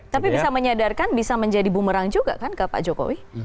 tapi bisa menyadarkan bisa menjadi bumerang juga kan ke pak jokowi